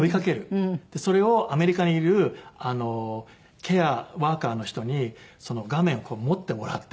それをアメリカにいるケアワーカーの人にその画面を持ってもらって。